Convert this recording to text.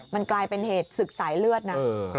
มันกลายเป็นเหตุศึกสายเลือดนะ